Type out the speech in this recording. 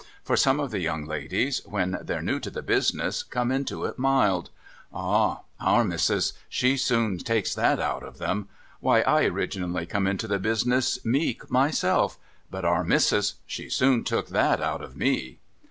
For some of the young ladies, \vhen they're new to the business, come into it mild ! Ah ! Our Missis, she soon takes that out of 'em. ^Vhy, I originally come into the business meek myself. But Our INIissis, she soon took that out of mc.